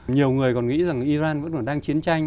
nhiều người còn nghĩ rằng iran vẫn còn đang chiến tranh